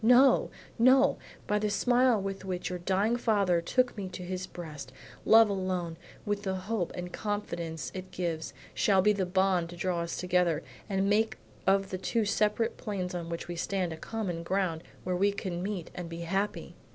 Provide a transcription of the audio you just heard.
No, no; by the smile with which your dying father took me to his breast, love alone, with the hope and confidence it gives, shall be the bond to draw us together and make of the two separate planes on which we stand, a common ground where we can meet and be happy."